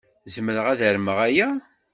Zemreɣ ad armeɣ aya?